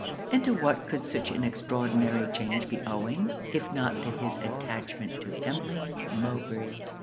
And to what could such an extraordinary change be owing, if not to his attachment to Emmeline Mowbray?